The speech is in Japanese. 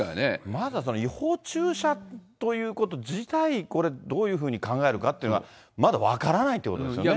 まずは違法駐車ということ自体、これどういうふうに考えるかっていうのが、まだ分からないということですよね。